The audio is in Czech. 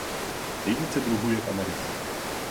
Nejvíce druhů je v Americe.